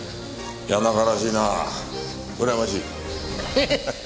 谷中らしいなうらやましいよ。